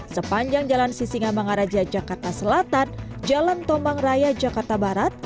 sepanjang jalan sisinga mangaraja jakarta selatan jalan tomang raya jakarta barat